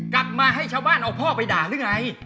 กลับมาให้ชาวบ้านเอาพ่อไปด่าหรือไง